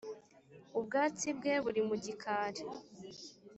ubwatsi bwe buri mugikari.